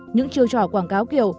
những chiêu trò quảng cáo kiểu